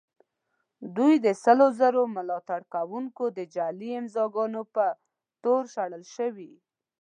دوی د سلو زرو ملاتړ کوونکو د جعلي امضاء ګانو په تور شړل شوي.